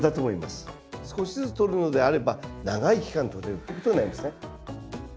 少しずつ取るのであれば長い期間取れるっていうことになりますね。